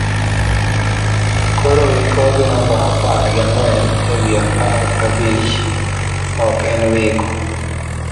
korowikoginambaapar gi ang'wen e wi piero abich ok en wiko